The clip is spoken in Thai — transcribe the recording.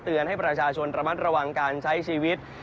ให้ประชาชนระมัดระวังการใช้ชีวิต